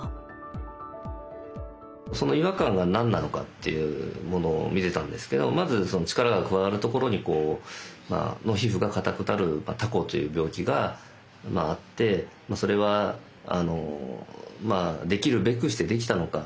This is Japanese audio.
その違和感が何なのかっていうものを診てたんですけどもまず力が加わるところの皮膚がかたくなるタコという病気があってそれはできるべくしてできたのか？